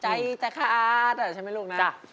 ใจแต่คาดใช่ไหมลูกนะ